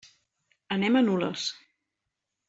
Anem a Nules.